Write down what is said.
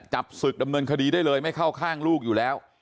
จับศึกดำเนินคดีได้เลยไม่เข้าข้างลูกอยู่แล้ว